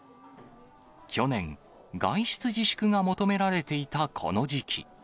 去年、外出自粛が求められていたこの時期。